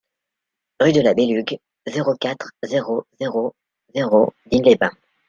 Rue de la Belugue, zéro quatre, zéro zéro zéro Digne-les-Bains